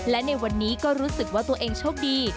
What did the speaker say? และในวันนี้ก็รู้สึกว่าตัวเองโชคดี